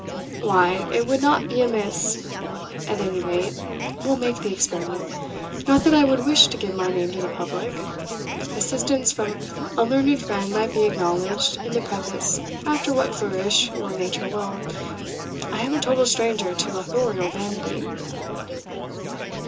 "Why, it would not be amiss; at any rate, we'll make the experiment; not that I would wish to give my name to the public assistance from a learned friend might be acknowledged in the preface after what flourish your nature will I am a total stranger to authorial vanity."